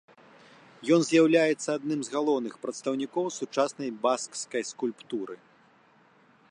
Ён з'яўляецца адным з галоўных прадстаўнікоў сучаснай баскскай скульптуры.